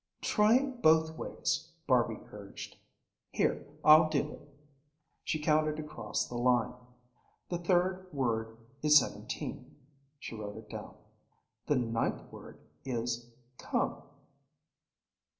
"Try it both ways," Barby urged. "Here, I'll do it." She counted across the line. "The third word is 'seventeen.'" She wrote it down. "The ninth word is 'come.'"